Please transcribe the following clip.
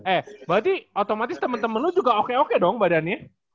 eh berarti otomatis temen temen lo juga oke oke dong badannya